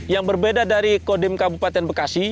yang berbeda dari kodim kabupaten bekasi